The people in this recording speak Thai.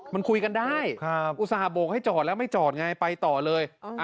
มันคุยกันได้อุตส่าหกให้จอดแล้วไม่จอดไงไปต่อเลย